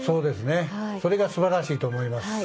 それがすばらしいと思います。